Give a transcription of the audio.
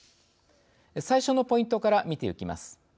最初のポイントから見てゆきます。